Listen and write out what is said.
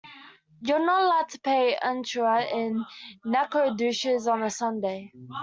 You're not allowed to play Euchre in Nacogdoches on a Sunday.